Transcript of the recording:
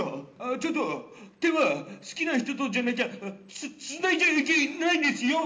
ちょっと手は好きな人とじゃなきゃつつないじゃいけないんですよ